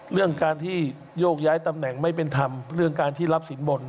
เรื่องการที่โยกย้ายตำแหน่งไม่เป็นธรรมเรื่องการที่รับสินบน